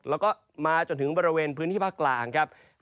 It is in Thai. แล้วก็มาจนถึงบริเวณพื้นที่ภาคกลางครับ